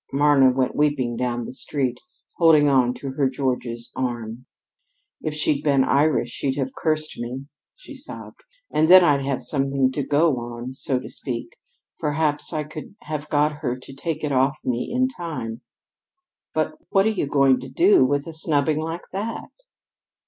Marna went weeping down the street, holding on to her George's arm. "If she'd been Irish, she'd have cursed me," she sobbed, "and then I'd have had something to go on, so to speak. Perhaps I could have got her to take it off me in time. But what are you going to do with a snubbing like that?"